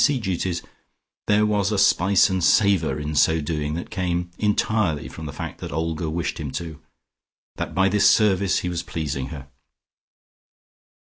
D. C. duties, there was a spice and savour in so doing that came entirely from the fact that Olga wished him to, that by this service he was pleasing her.